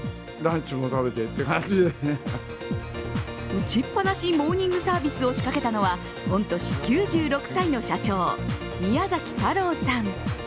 打ちっぱなしモーニングサービスを仕掛けたのは御年９６歳の社長、宮崎太郎さん。